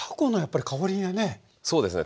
そうですね。